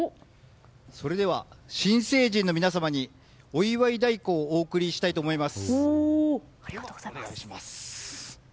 それでは新成人の皆様にお祝い太鼓をお贈りしたいと思います。